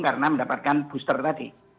karena mendapatkan booster tadi